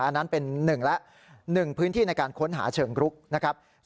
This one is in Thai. อันนั้นเป็น๑และ๑พื้นที่ในการค้นหาเชิงรุกนะครับ